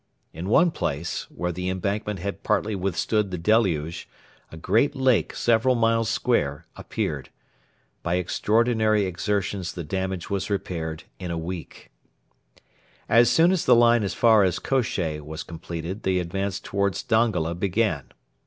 In one place, where the embankment had partly withstood the deluge, a great lake several miles square appeared. By extraordinary exertions the damage was repaired in a week. As soon as the line as far as Kosheh was completed, the advance towards Dongola began.